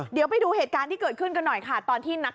เดี๋ยวไปดูเหตุการณ์ที่เกิดขึ้นกันหน่อยค่ะตอนที่นัก